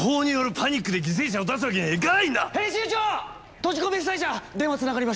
閉じ込め被災者電話つながりました。